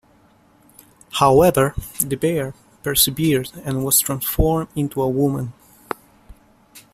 However, the bear persevered and was transformed into a woman.